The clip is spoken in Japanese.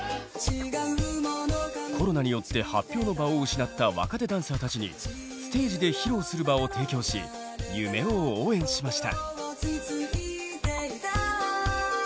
コロナによって発表の場を失った若手ダンサーたちにステージで披露する場を提供し夢を応援しました。